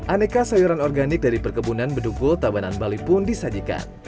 aneka sayuran organik dari perkebunan bedugul tabanan bali pun disajikan